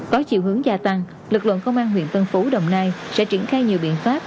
có chiều hướng gia tăng lực lượng công an huyện tân phú đồng nai sẽ triển khai nhiều biện pháp